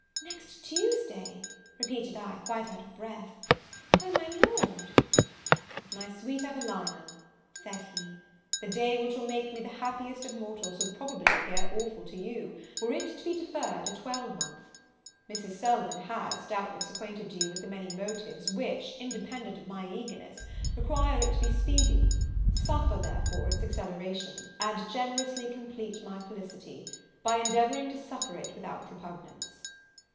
"Next Tuesday!" repeated I, quite out of breath, "Oh, my Lord! " "My sweet Evelina," said he, "the day which will make me the happiest of mortals, would probably appear awful to you, were it to be deferred a twelvemonth. Mrs. Selwyn has, doubtless, acquainted you with the many motives which, independent of my eagerness, require it to be speedy; suffer, therefore, its acceleration, and generously complete my felicity, by endeavouring to suffer it without repugnance."